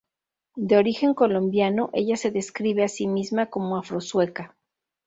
De origen colombiano, ella se describe a sí misma como afro-sueca.